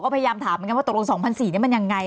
ก็พยายามถามเหมือนกันว่าตกลงสองพันสี่นี่มันยังไง